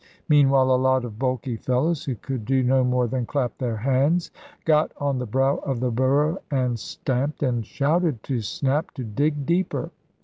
Meanwhile a lot of bulky fellows, who could do no more than clap their hands, got on the brow of the burrow and stamped, and shouted to Snap to dig deeper.